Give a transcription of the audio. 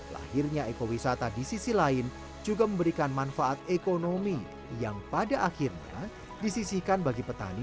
lahirnya ekowisata di sisi lain juga memberikan manfaat ekonomi yang pada akhirnya disisihkan bagi petani